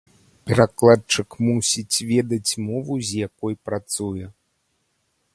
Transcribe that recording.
Перакладчык мусіць ведаць мову, з якой працуе.